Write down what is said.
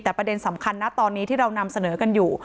แต่ประเด็นสำคัญนะตอนนี้ที่เรานำเสนอกันอยู่